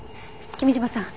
君嶋さん